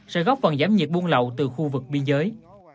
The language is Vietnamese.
sẽ góp phần giảm nhiệt buôn lậu từ khu vực biên giới